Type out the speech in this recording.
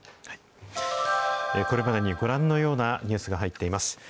これまでにご覧のようなニュースが入っています。